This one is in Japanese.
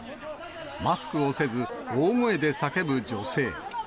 マスクをせず、大声で叫ぶ女性。